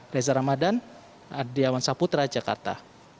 reza ramadan adriawan saputra jakarta